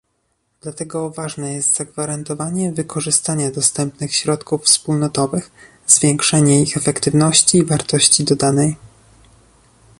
Dlatego ważne jest zagwarantowanie wykorzystania dostępnych środków wspólnotowych, zwiększenie ich efektywności i wartości dodanej